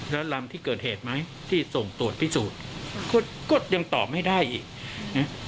แล้วลำที่เกิดเหตุไหมที่ส่งตรวจพิสูจน์ก็ก็ยังตอบไม่ได้อีกนะ